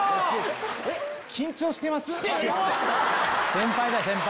先輩だよ先輩。